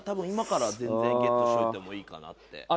今から全然ゲットしといてもいいかなって。